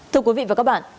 thưa quý vị và các bạn